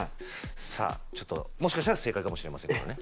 さあちょっともしかしたら正解かもしれませんからね。